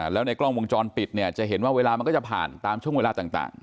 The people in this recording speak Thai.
แล้วในกล้องวงจรปิดเนี่ยจะเห็นว่าเวลามันก็จะผ่านตามช่วงเวลาต่าง